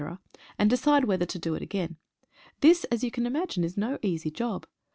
and decide whether to do it again. This, as you can imagine, is no easy job.